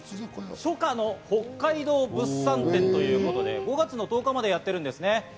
初夏の北海道物産展というもので、５月１０日までやってるんですね。